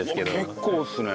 結構っすね。